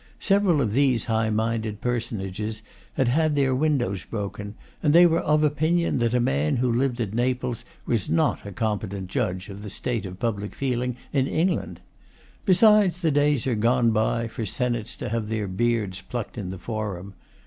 Several of these high minded personages had had their windows broken, and they were of opinion that a man who lived at Naples was not a competent judge of the state of public feeling in England. Besides, the days are gone by for senates to have their beards plucked in the forum.